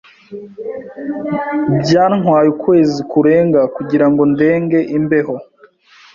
Byantwaye ukwezi kurenga kugira ngo ndenge imbeho.